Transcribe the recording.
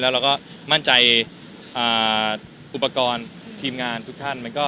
เราก็มั่นใจอุปกรณ์ทีมงานทุกท่าน